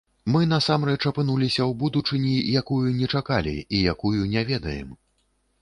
Мы насамрэч апынуліся ў будучыні, якую не чакалі і якую не ведаем.